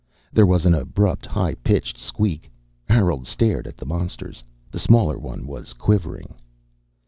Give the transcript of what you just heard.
There was an abrupt, high pitched squeak. Harold stared at the monsters. The smaller one was quivering.